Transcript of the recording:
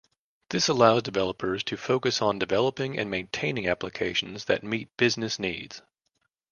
This allows developers to focus on developing and maintaining applications that meet business needs.